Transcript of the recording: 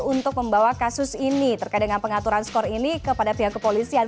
untuk membawa kasus ini terkait dengan pengaturan skor ini kepada pihak kepolisian